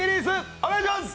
お願いします。